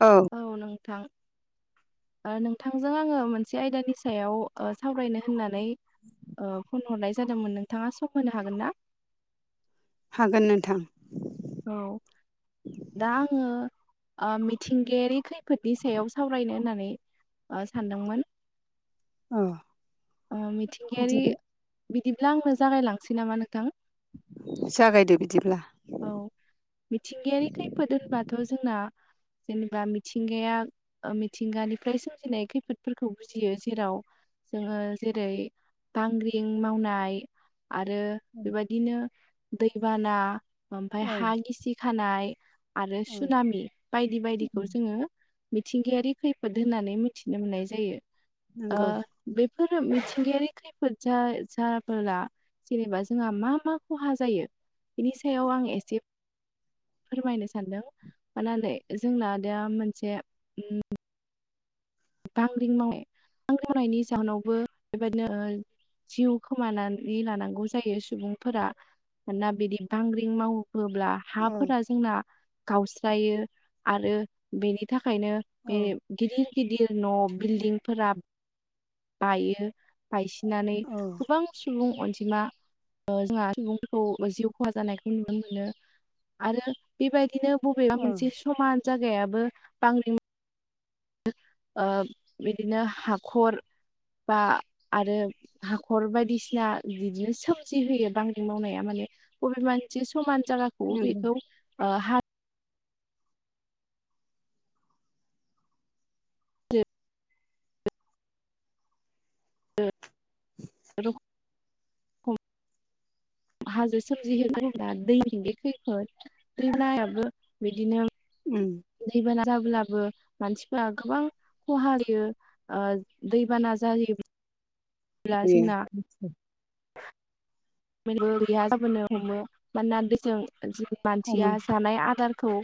औ औ नोंथां ओ नोंथांजों आङो मोनसे आयदानि सायाव ओ सावरायनो होननानै ओ फन हरनाय जादोंमोन नोंथाङा सम होनो हागोन ना? हागोन नोंथां औ दा आङो ओ मिथिंगायारि खैफोदनि सायाव सावरायनो होननानै ओ सानदोंमोन औ मिथिंगायारि बिदिब्ला आंनो जागाय लांसै नामा नोंथां? जागायदो बिदिब्ला। औ मिथिंगायारि खैफोद होनबथ' जोंना जेनेबा मिथिंगाया ओ मिथिंगानिफ्राय सोमजिनाय खैफोदफोरखौ बुजियो जेराव जोंङो जेरै बांग्रिं मावनाय आरो बेबायदिनो दैबाना ओमफाय औ हा गिसि खानाय आरो औ सुनामि बायदि बायदिखौ जोंङो मिथिंगायारि खैफोद होननानै मिथिनो मोननाय जायो ओ नंगौ बेफोर मिथिंगायारि खैफोद जा जाबोला जेनेबा जोंहा मा मा खहा जायो बेयाव आं एसे फोरमायनो सानदों माने होन जोंना दा मोनसे बांग्रिं मावनाय बांग्रिं मावनायनि जाहोनावबो बेबायदिनो जिउ खोमानानै लानांगौ जायो सुबुंफोरा मानोना बिदि बांग्रिं मावोब्ला औ हाफोरा जोंना गावस्रायो आरो बेनि थाखायनो औ बे गिदिर गिदिर न' बिल्दिंफोरा बायो बायसिननानै औ गोबां सुबुं अनजिमा जोंहा सुबुंफोरखौ जिउ खहा जानायखौ नुनो मोनो आरो बेबायदिनो बबेबा औ मोनसे समान जायगायाबो बांग्रिं ओ बिदिनो हाखर बा आरो हाख'र बायदिसिना बिदिनो सोमजि होयो बांग्रिं मावनाया माने अबेबा इथिं समान जायगाखौबो नंगौ बेखौ हाब हाजो [inaudible] [unintelligible] हाजो सोमजिहोनो दैनि बे खैफोद दैमायाबो बिदिनो उम दैबाना जाब्लाबो मानसिफोरा गोबां खहा जायो दैबाना जायोब्ला जोंना मिथिगौ [unintelligible] जेरैबो गैया जाबोनो हमो मानोना दैजों जि हमो मानसिया जानाय आदारखौ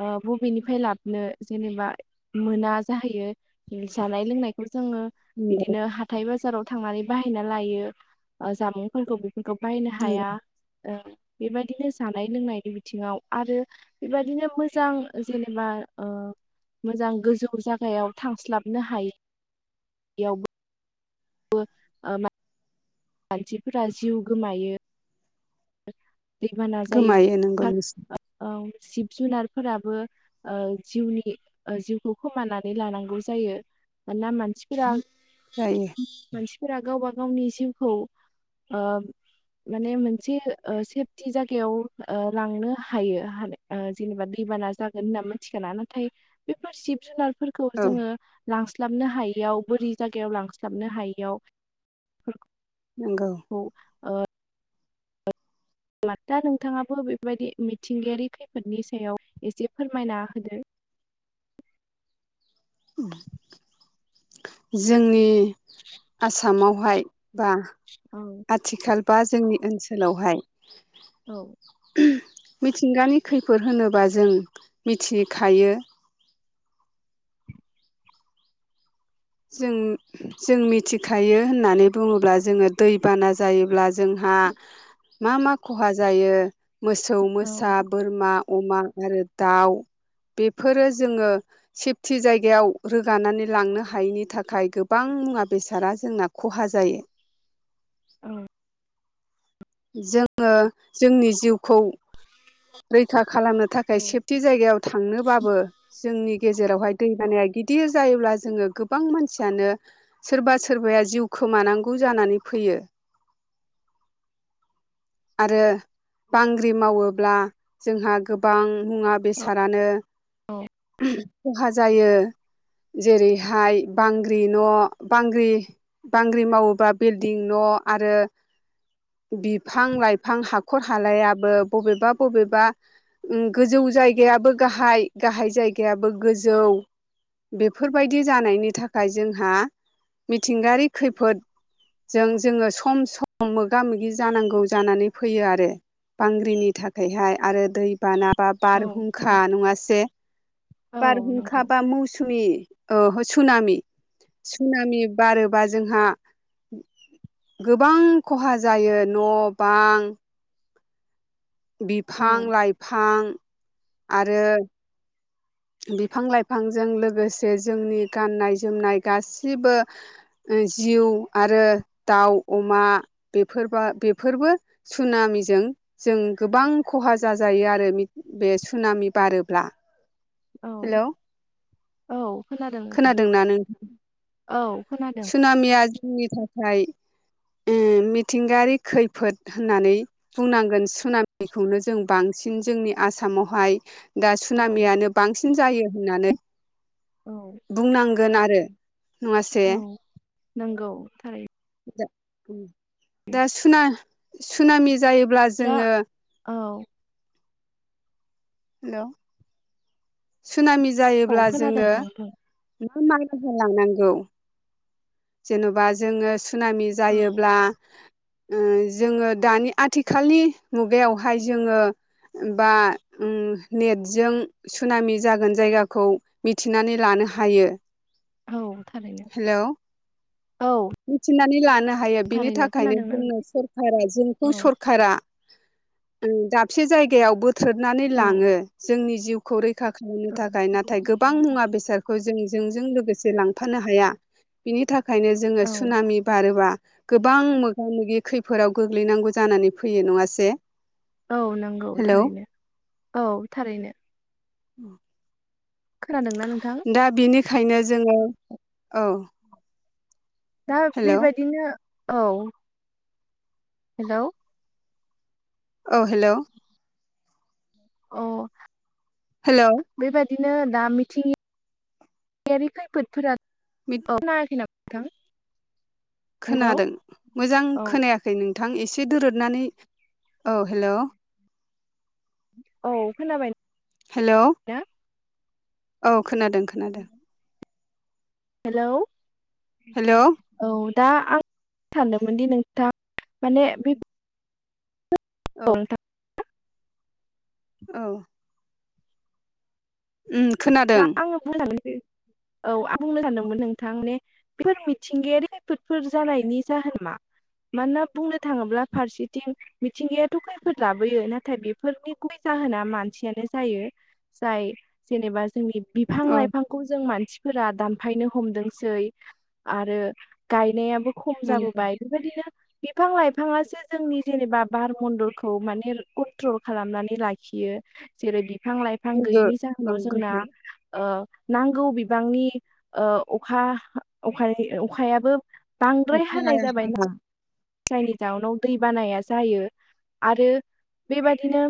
ओ बबेनिफ्राय लाबोनो जेनेबा मोना जाहैयो जानाय लोंनायखौ जोङो नंगौ बिदिनो हाथाय बाजाराव थांनानै बाहायना लायो ओ जामुंफोरखौ बाहायनो हाया नंगौ बेबायदिनो जानाय लोंनायनि बिथिंआव आरो बेबादिनो मोजां जेनेबा ओ मोजां गोजौ जागायाव थांस्लाबनो हायैयावबो बो माने मानसिफोरा जिउ गोमायो दैबाना जायो गोमायो नंगौ नोंसोर औ जिब जुनारफोराबो ओ जिउनि जिउखौ खोमानानै लानांगौ जायो। मानोना मानसिफोरा जायो। मानसिफोरा गावबा गावनि जिउखौ ओ माने मोनसे ओ सेफटि जायगायाव ओ लांनो हायो जेनेबा दैबाना जागोन होनामोन मिथिखानानैनो थायो बेफोर जिब जुनारफोरखौ औ जोङो लांस्लाबनो हायियाव बोरि जायगायाव लांस्लाबनो हायैयाव बेफोरखौ नंगौ। औ। दा नोंथाङाबो बेबायदि मिथिंगायारि खैफोदनि सायाव एसे फोरमायना होदो जोंनि आसामावहाय बा औ। आथिखाल बा जोंनि ओनसोलावहाय औ। मिथिंगानि खैफोद होनोबा जों मिथिखायो जों। जों मिथिखायो होननानै बुङोब्ला जोङो दैबाना जायोब्ला जोंहा मा मा खहा जायो मोसौ, औ मोसा, बोरमा, अमा, आरो दाउ, बेफोरो जोङो सेप्ति जायगायाव रोगानानै लांनो हा हायैनि थाखाय गोबां मुवा बेसादा जोंना खहा जायो। औ। जोङो जोंनि जिउखौ रैखा खालामनो थाखाय औ सेफटि जायगायाव थांनो बाबो जोंनि गेजेरावहाय दैबानाया गिदिर जायोब्ला जोङो गोबां मानसियानो सोरबा सोरबाया जिउ खोमानांगौ जानानै फैयो आरो बांग्रि मावोब्ला जोंहा गोबां मुवा बेसादानो औ खहा जायो। जेरैहाय बांग्रि न' बांग्रि बांग्रिं मावोबा बिल्डिं न' आरो बिफां लाइफां हाखर हालायाबो बबेबा बबेबा ओ गोजौ जायगायाबो गाहाय गाहाय जायगायाबो गोजौ बेफोरबायदि जानायनि थाखाय जोंहा मिथिंगायारि खैफोद जों जोङो सम सम मोगा मोगि जानांगौ जानानै फैयो आरो बांग्रिनि थाखैहाय आरो दै बानाबा औ बारहुंखा थारैनो नङासे औ बारहुंखा नंगौ बा मौसुमि औ सुनामि सुनाामि बारोबा जोंहा गोबां खहा जायो न' बां बिफां औ लाइफां आरो बिफां लाइफांजों लोगोसे जोंनि गाननाय जोमनाय गासिबो ओ जिव आरो दाउ अमा बेफोरबा बेफोरबो सुनामिजों जों गोबां खहा जाजायो आरो मिथ बे सुनामि बारोब्ला औ हेलौ औ खोनादों नोंथां खोनादोंना नों औ खोना सुनामिया जोंनि थाखाय उम मिथिंगायारि खैफोद होननानै बुंनांगोन सुनामिखौनो जों बांसिन जोंनि आसामावहाय दा औ सुनामियानो बांसिन जायो होननानै औ बुंनांगोन आरो नङासे औ नंगौ थारै दा सुना सुनामि जायोब्ला दा जोङो औ हेल' सुनामि औ जायोब्ला खोनादों जोङो नोंथां बुं मा मालमाथा लांनांगौ जेन'बा जोङो सुनामि औ जायोब्ला ओ जोङो दानि आथिखालनि मुगायावहाय जोङो बा ओम नेटजों सुनामि जागोन जायगाखौ मिथिनानै लानो हायो। औ थारैनो हेलौ औ मिथिनानै लानो हायो बिनि थारैनो थाखायनो खोनादोंना जोंनो नोंथां सरखारा जोंखौ औ सर खारा दाबसे जायगायाव बोथ्रनानै औ लाङो जोंनि जिउ खौ रैखा खालामनो थाखाय नाथाय गोबां मुवा बेसादखौ जों जोंजों लोगोसे लांफानो हाया। बिनि थाखायनो जोङो औ सुनामि बारोबा गोबां मोगा मोगि खैफोदाव गोग्लैनांगौ जानानै फैयो नङासे। औ नंगौ हेलौ थारैनो औ थारैनो [inaudible] खोनादोंना नोंथां? दा बेनिखायनो जोङो औ दा हेलौ बेबायदिनो औ हेलौ' औ हेलौ' औ हेल' बेबायदिनो दा मिथिंगा यारि खैफोदफोरा बि [unintelligible] हेलौ खोनादों मोजां औ खोनायाखै नोंथां एसे दोरदनानै औ हेलौ औ खोनाबाय हेलौ ना औ खोनादों। खोनादों हेलौ हेलौ औ दा आं थानदोंमोन दि नोंथा माने बे ओं ओं उम खोनादों [unintelligible] औ आं बुंनो सानदोंमोन नोंथां माने फोर मिथिंगायारि खैफोदफोर जानायनि जाहोन मा? मानोना बुंनो थाङोब्ला फारसेथिं मिथिंगायाथ' खैफद लाबोयो नाथाय बेफोरनि गुबै जाहोना मानसियानो जायो। जाय जेनेबा जोंनि बिफां औ लाइफां खौ जों मानसिफोरा दानफायनो हमदोंसै आरो गायनायाबो खम नोंगौ जाबोबाय बेबायदिनो बिफां लाइफाङासो जोंनि जेनेबा बार मन्दलखौ माने कन्ट्रल खालामनानै लाखियो। जेरै बिफां लाइफां गोग्गो गैयिनि औ जाहोनाव जोंना गोग्गो ओ नांगौ बिबांनि ओ अखा अखाय अखायाबो बांद्राय हानाय जाबाय। गोनां जायनि जाउनाव दैबानाया जायो आरो बेबादिनो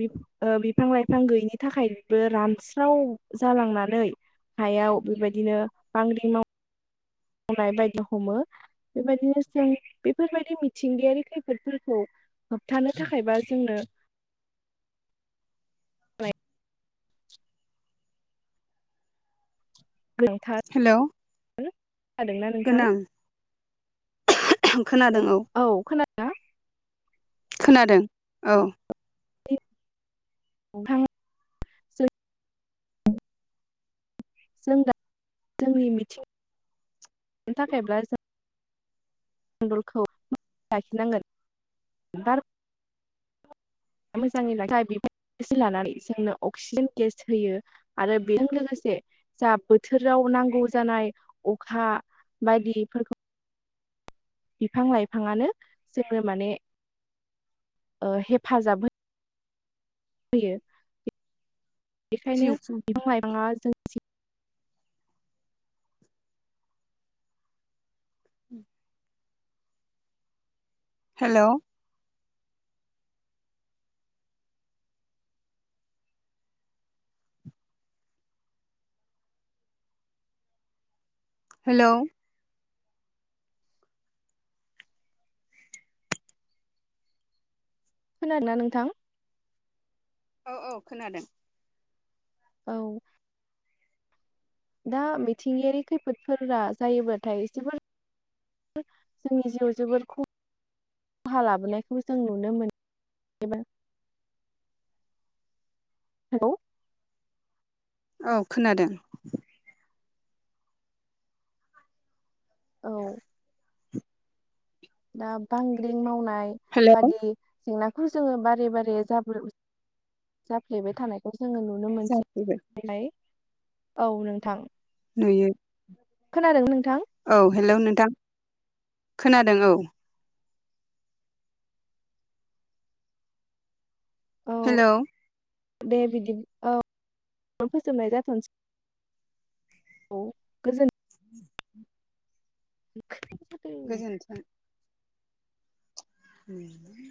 बि ओ बिफां लाइफां गैयिनि थाखायबो ओ रान स्राव जालांनानै हायाव बेबायदिनो बांग्रि माव मावनाय बायदि हमो बेबायदिनो जों बेफोरबायदि मिथिंगायारि खैफोदफोरखौ होबथानो थाखायबा जोंनो गोनांथार। हेलौ हो' खोनादोंना गोनां नोंथां? खोनादों औ खोनादों औ [unintelligible] जों दा [unintelligible] [unintelligible] मोजाङै [unintelligible] बेसो लानानै जोंनो अक्सिजेन गेस होयो। आरो बेजों लोगोसे जा बोथोराव नांगौ जानाय अखा बायदिफोरखौ बिफां लाइफाङानो जोंनो माने ओ हेफाजाब हो यो जिउ बेखायनो खुं बिफां लाइफाङा जों उ हेलौ हेलौ खोनादों ना नोंथां? औ औ खोनादों। औ दा मिथिंगायारि खैफोदफोरा जायोबाथाय जोबोर जोंनि जिउआव जोबोद ख हा लाबोनायखौबो जों नुनो मोनो हेलौ औ खोनादों औ दा बांग्रिं मावनाय हेलौ बादि जेंनाखौ जोंङो बारे बारे जाब्रे-जाफ्लेबाय थानाय खौ जोंङो नुनो मोनसै जाफैबाय औ नोंथां नुयो खोनादोंना नोंथां औ हेलौ नोंथां खोनादों औ औ हेलौ दे बिदि औ फोजोबनाय जाथ'नोसै औ गोजोन [inaudible] गोजोन्थों [inaudible]